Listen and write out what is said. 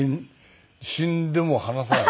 死んでも離さない。